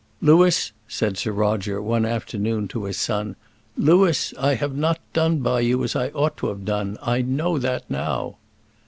"Louis," said Sir Roger, one afternoon to his son; "Louis, I have not done by you as I ought to have done I know that now."